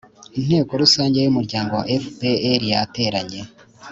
inteko rusange yUmuryango wa fpr yateranye